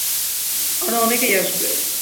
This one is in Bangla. আরো অনেকেই আসবে।